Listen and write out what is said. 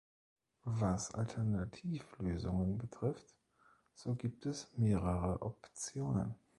Was Alternativlösungen betrifft, so gibt es mehrere Optionen.